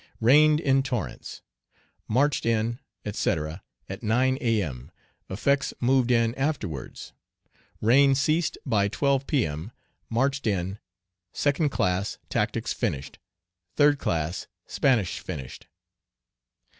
Rained in torrents. Marched in, etc., at 9 A.M. Effects moved in afterwards. Rain ceased by 12 M. Marched in. Second class, tactics finished. Third class, Spanish finished.